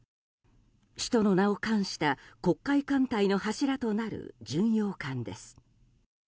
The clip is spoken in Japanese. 首都の名を冠した黒海艦隊の柱となる巡洋艦です。